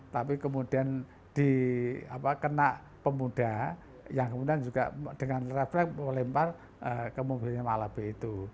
tapi kemudian dikena pemuda yang kemudian juga dengan refleks melempar ke mobilnya malabe itu